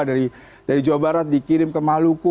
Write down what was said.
dari jawa barat dikirim ke maluku